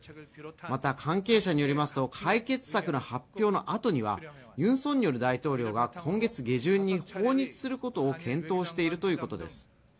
また関係者によりますと解決策の発表の後にはユン・ソンニョル大統領が今月下旬に訪日することを検討しているということです。